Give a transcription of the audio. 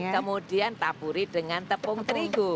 kemudian taburi dengan tepung terigu